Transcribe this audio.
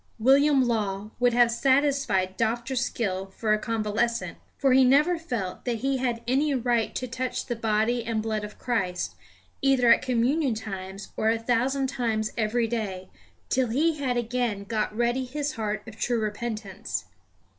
William Law would have satisfied Dr. Skill for a convalescent. For he never felt that he had any right to touch the body and blood of Christ, either at communion times, or a thousand times every day, till he had again got ready his heart of true repentance.